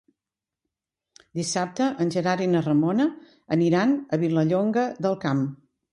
Dissabte en Gerard i na Ramona aniran a Vilallonga del Camp.